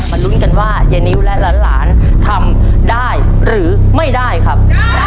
ลุ้นกันว่ายายนิ้วและหลานทำได้หรือไม่ได้ครับ